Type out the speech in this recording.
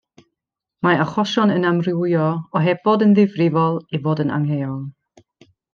Mae achosion yn amrywio o heb fod yn ddifrifol i fod yn angheuol.